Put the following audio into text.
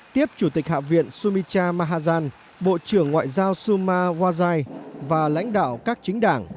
tiếp chủ tịch hạ viện sumitra mahajan bộ trưởng ngoại giao sumarwajai và lãnh đạo các chính đảng